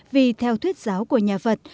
vì theo thuyết giáo của nhà phật